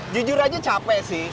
jujur saja capek sih